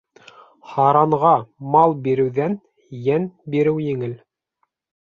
Һаранға мал биреүҙән йән биреү еңел.